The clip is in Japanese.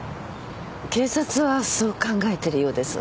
警察はそう考えてるようです。